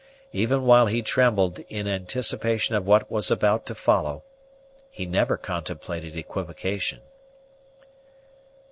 Even while he trembled in anticipation of what was about to follow, he never contemplated equivocation.